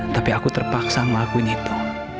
tapi aku terpaksa ngelakuin itu